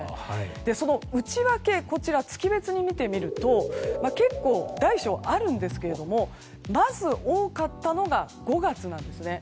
その内訳を月別に見てみると結構、大小あるんですがまず、多かったのが５月なんですね。